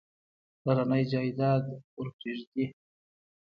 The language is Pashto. پلرنی جایداد ورپرېږدي.